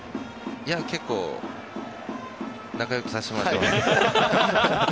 結構仲良くさせてもらってます。